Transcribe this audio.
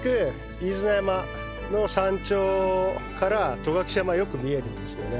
飯縄山の山頂から戸隠山よく見えるんですよね。